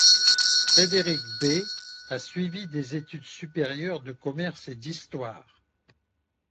Frédéric Bey a suivi des études supérieures de commerce et d'histoire.